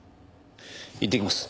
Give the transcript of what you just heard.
いってきます。